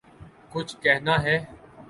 کچھ کہنا ہے